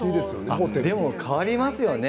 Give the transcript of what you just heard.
でも変わりますよね